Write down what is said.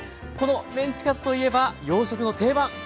このメンチカツといえば洋食の定番。